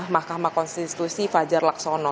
mahkamah konstitusi fajar laksono